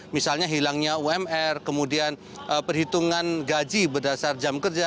misalnya hilangnya umr kemudian perhitungan gaji berdasar jam kerja